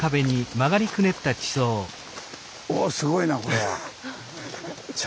おすごいなこれは。